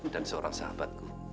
dan seorang sahabatku